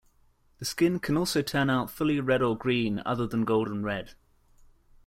The skin can also turn out fully red or green other than Golden-Red.